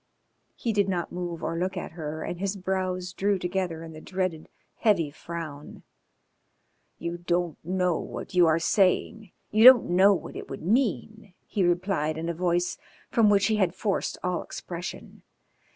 He did not move or look at her, and his brows drew together in the dreaded heavy frown. "You don't know what you are saying. You don't know what it would mean," he replied in a voice from which he had forced all expression.